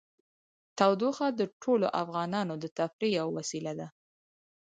تودوخه د ټولو افغانانو د تفریح یوه وسیله ده.